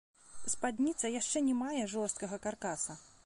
Спадніца яшчэ не мае жорсткага каркаса.